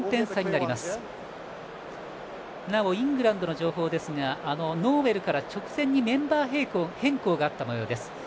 なおイングランドの情報ですがノーウェルから直前にメンバー変更があったもようです。